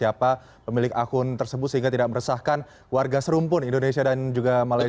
apa pemilik akun tersebut sehingga tidak meresahkan warga serumpun indonesia dan juga malaysia